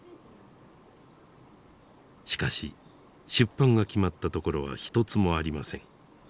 しかし出版が決まったところは一つもありません。